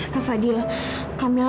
kak fadil kamu masih ingin berbicara